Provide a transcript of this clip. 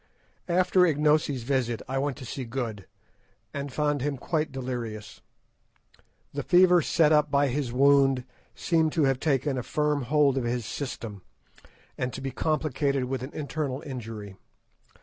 After Ignosi's visit I went to see Good, and found him quite delirious. The fever set up by his wound seemed to have taken a firm hold of his system, and to be complicated with an internal injury.